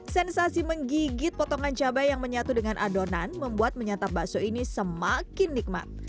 sensasi menggigit potongan cabai yang menyatu dengan adonan membuat menyantap bakso ini semakin nikmat